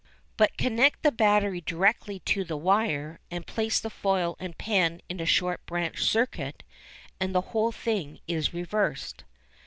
But connect the battery directly to the wire, and place the foil and pen in a short branch circuit, and the whole thing is reversed.